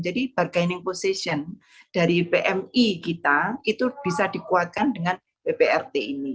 jadi bargaining position dari pmi kita itu bisa dikuatkan dengan pprt ini